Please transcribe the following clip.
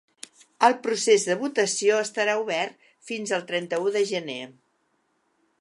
El procés de votació estarà obert fins al trenta-u de gener.